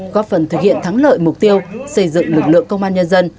góp phần thực hiện thắng lợi mục tiêu xây dựng lực lượng công an nhân dân